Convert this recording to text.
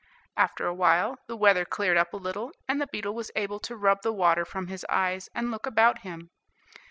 After a while the weather cleared up a little, and the beetle was able to rub the water from his eyes, and look about him.